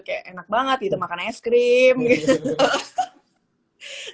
kayak enak banget gitu makan es krim gitu